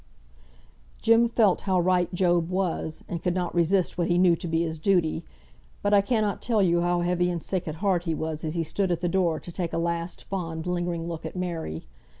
Jem felt how right Job was, and could not resist what he knew to be his duty, but I cannot tell you how heavy and sick at heart he was as he stood at the door to take a last fond, lingering look at Mary.